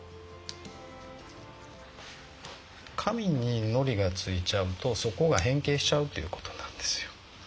紙にのりがついちゃうとそこが変形しちゃうっていう事なんですよ。